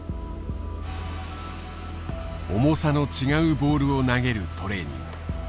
重さの違うボールを投げるトレーニング。